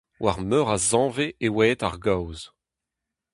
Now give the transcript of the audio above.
War meur a zanvez e oa aet ar gaoz.